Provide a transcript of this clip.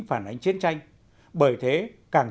phản ánh chiến tranh bởi thế càng